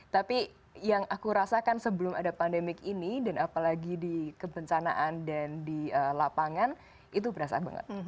tapi yang aku rasakan sebelum ada pandemik ini dan apalagi di kebencanaan dan di lapangan itu berasa banget